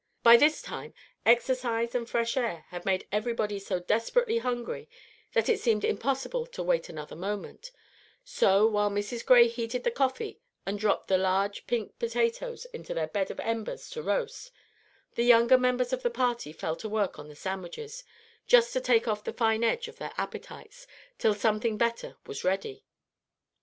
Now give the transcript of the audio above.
By this time exercise and fresh air had made everybody so desperately hungry that it seemed impossible to wait another moment; so, while Mrs. Gray heated the coffee and dropped the large pink potatoes into their bed of embers to roast, the younger members of the party fell to work on the sandwiches, just to take off the fine edge of their appetites till something better was ready.